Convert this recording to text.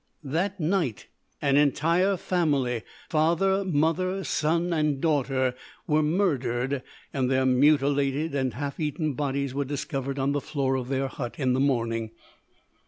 "That night an entire family, father, mother, son, and daughter, were murdered, and their mutilated and half eaten bodies were discovered on the floor of their hut in the morning.